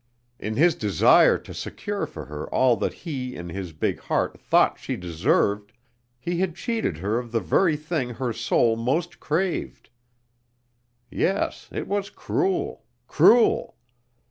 In his desire to secure for her all that he in his big heart thought she deserved, he had cheated her of the very thing her soul most craved. Yes, it was cruel, cruel.